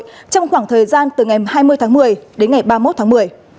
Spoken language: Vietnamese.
trong khoảng thời gian từ ngày hai mươi tháng một mươi đến ngày ba mươi một tháng một mươi